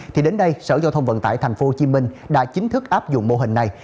thì đến đây sở giao thông vận tải tp hcm đã chính thức áp dụng mô hình này